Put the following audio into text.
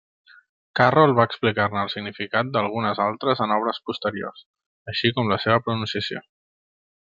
Carroll va explicar-ne el significat d'algunes altres en obres posteriors, així com la seva pronunciació.